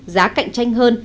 giá cạnh tranh hơn